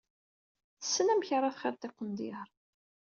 Tessen amek ara txiḍ tiqendyar.